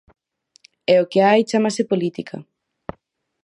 E o que hai chámase política.